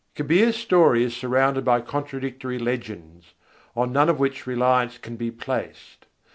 Kabîr's story is surrounded by contradictory legends, on none of which reliance can be placed.